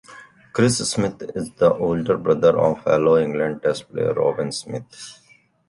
Chris Smith is the older brother of fellow England Test player Robin Smith.